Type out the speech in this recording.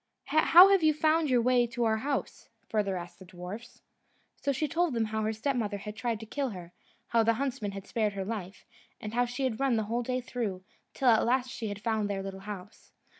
"How have you found your way to our house?" further asked the dwarfs. So she told them how her stepmother had tried to kill her, how the huntsman had spared her life, and how she had run the whole day through, till at last she had found their little house.